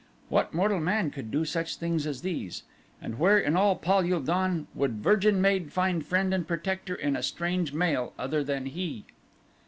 What mortal man could do such things as these? And where in all Pal ul don would virgin maid find friend and protector in a strange male other than he?"